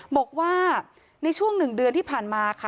บอกว่าในช่วง๑เดือนที่ผ่านมาค่ะ